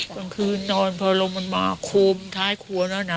บางคืนนอนพอลมมากโคมท้ายครัวน่ะ